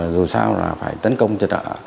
dù sao là phải tấn công trật ả